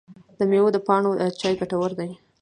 د میوو د پاڼو چای ګټور دی؟